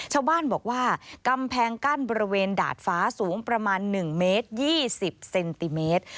ชาวบ้านบอกว่ากำแพงกั้นบริเวณดาดฟ้าสูงประมาณ๑เมตร๒๐เซนติเมตร